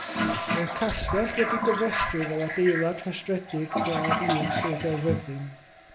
Mae'r castell wedi'i gofrestru fel Adeiladau rhestredig Gradd Un Sir Gaerfyrddin.